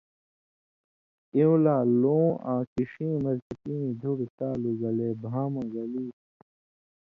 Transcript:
ایوۡں لا لُوں آں کݜِیں مرچکیں دُھڑہۡ تالُو گلے بھاں مہ گلی